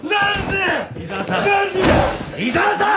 井沢さん。